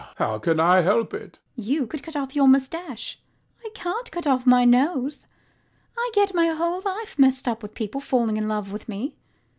HECTOR. How can I help it? LADY UTTERWORD. You could cut off your moustache: I can't cut off my nose. I get my whole life messed up with people falling in love with me.